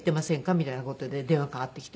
みたいな事で電話がかかってきて。